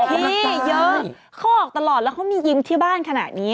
พี่เยอะเขาออกตลอดแล้วเขามียิงที่บ้านขนาดนี้